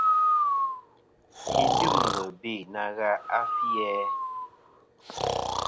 Yi dyɨmlɨ be na gha a fi-æ ?